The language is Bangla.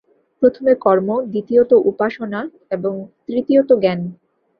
প্রথমে কর্ম, দ্বিতীয়ত উপাসনা এবং তৃতীয়ত জ্ঞান।